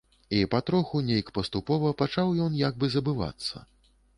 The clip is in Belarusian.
І патроху, нейк паступова пачаў ён як бы забывацца.